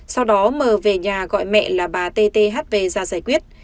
sau đó mờ về nhà gọi mẹ là bà tthv ra giải quyết